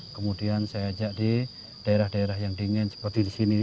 kemudian saya ajak di daerah daerah yang dingin seperti di sini